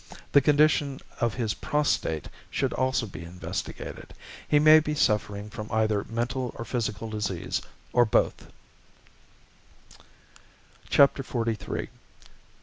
The condition of his prostate should also be investigated. He may be suffering from either mental or physical disease, or both (see p. 59). XLIII.